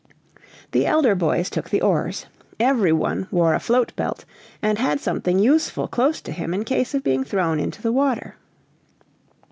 The elder boys took the oars; every one wore a float belt, and had something useful close to him in case of being thrown into the water.